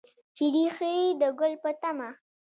چې ریښې د ګل په تمه